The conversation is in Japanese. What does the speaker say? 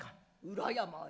裏山へ？